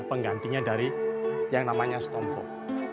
penggantinya dari yang namanya stomford